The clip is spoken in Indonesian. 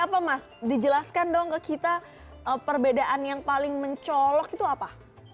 pada saat ini perbedaan yang paling mencolok itu apa